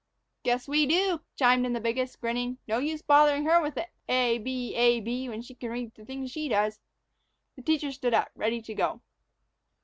"Guess we do," chimed in the biggest, grinning. "No use bothering her with a b, ab, when she can read the things she does." The teacher stood up, ready to go.